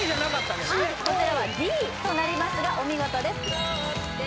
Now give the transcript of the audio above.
こちらはＤとなりますがお見事です